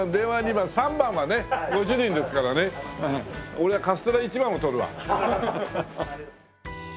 俺はカステラ１番を取るわ。